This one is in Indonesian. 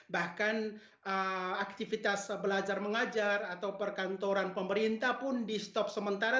bahkan aktivitas belajar mengajar atau perkantoran pemerintah pun di stop sementara